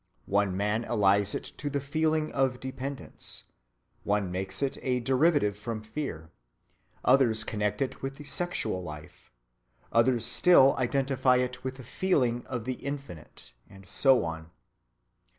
One man allies it to the feeling of dependence; one makes it a derivative from fear; others connect it with the sexual life; others still identify it with the feeling of the infinite; and so on.